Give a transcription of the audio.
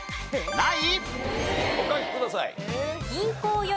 ない？